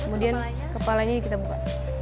kemudian kepalanya kita buka